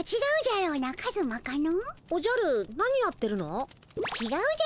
おじゃるなにやってるの？